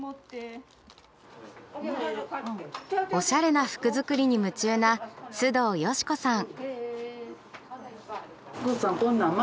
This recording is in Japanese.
おしゃれな服づくりに夢中な須藤よし子さん。